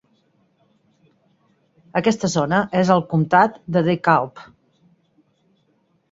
Aquesta zona és al comtat de DeKalb.